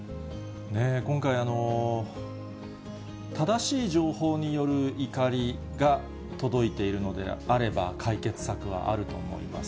今回、正しい情報による怒りが届いているのであれば解決策はあると思います。